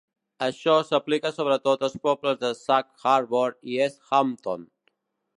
Això s'aplica sobretot als pobles de Sag Harbor i East Hampton.